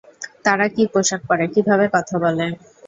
তারা কী পোশাক পরে, কীভাবে কথা বলে।